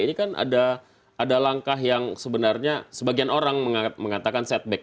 ini kan ada langkah yang sebenarnya sebagian orang mengatakan setback